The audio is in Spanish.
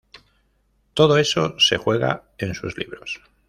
Todo eso se juega en sus libros.